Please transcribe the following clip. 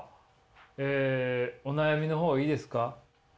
えお悩みの方いいですか？